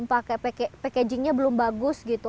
packagingnya belum bagus gitu